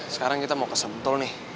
sekarang kita mau ke sentul nih